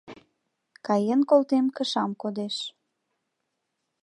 Каен колтем — кышам кодеш.